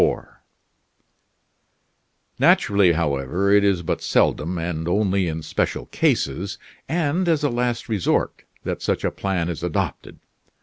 Naturally, however, it is but seldom, and only in special cases, and as a last resort, that such a plan is adopted.